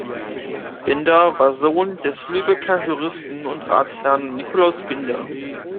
Binder war Sohn des Lübecker Juristen und Ratsherrn Nicolaus Binder.